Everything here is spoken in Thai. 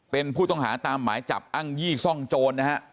เป็นผู้ต้องหาตามหมายจับอ้างยี่ซ่องโจรนะฮะ